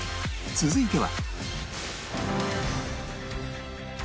続いては